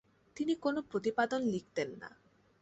তিনি কোন প্রতিপাদন লিখতেন না।